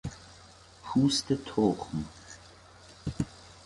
پوست تخم